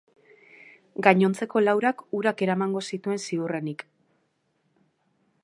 Gainontzeko laurak urak eramango zituen ziurrenik.